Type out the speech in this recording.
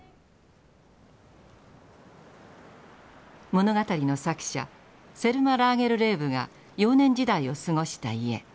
物語の作者セルマ・ラーゲルレーブが幼年時代を過ごした家。